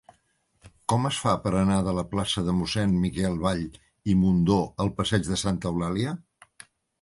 Com es fa per anar de la plaça de Mossèn Miquel Vall i Mundó al passeig de Santa Eulàlia?